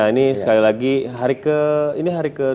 ini sekali lagi hari ke ini hari ke tujuh